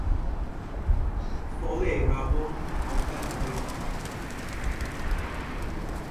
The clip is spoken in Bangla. ফলে রাবণ অজ্ঞান হয়ে যান।